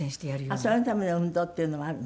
そのための運動っていうのもあるの？